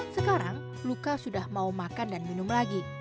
sekarang luka sudah mau makan dan minum lagi